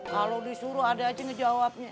kalau disuruh adik haji ngejawabnya